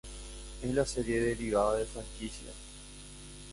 Es la serie derivada de franquicia.